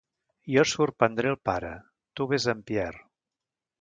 Jo sorprendré el pare, tu ves amb Pierre.